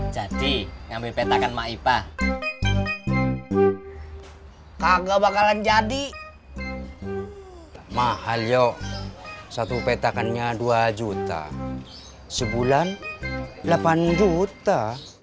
jadi ngambil petakan mak ipa kagak bakalan jadi mahal yuk satu petakannya dua juta sebulan delapan juta